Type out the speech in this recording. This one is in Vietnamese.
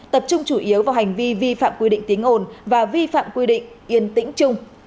tập trung chủ yếu vào hành vi vi phạm quy định tiếng ồn và vi phạm quy định yên tĩnh chung